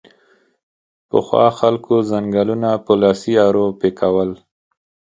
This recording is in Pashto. پخوا خلکو ځنګلونه په لاسي ارو پیکول